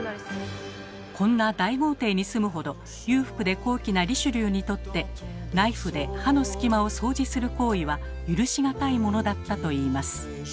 こんな大豪邸に住むほど裕福で高貴なリシュリューにとってナイフで歯のすき間を掃除する行為は許し難いものだったといいます。